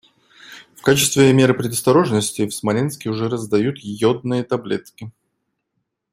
В качестве меры предосторожности в Смоленске уже раздают йодные таблетки.